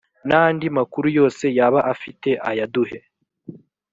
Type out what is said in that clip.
n andi makuru yose yaba afite ayaduhe